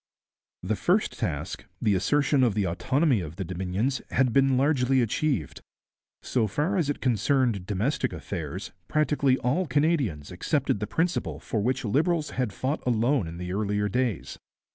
The first task, the assertion of the autonomy of the Dominions, had been largely achieved. So far as it concerned domestic affairs, practically all Canadians accepted the principle for which Liberals had fought alone in the earlier days.